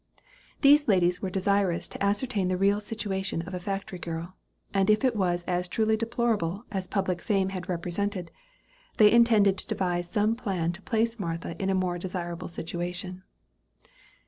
These ladies were desirous to ascertain the real situation of a factory girl, and if it was as truly deplorable as public fame had represented, they intended to devise some plan to place Martha in a more desirable situation.